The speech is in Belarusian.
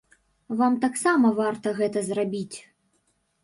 Вам таксама варта гэта зрабіць.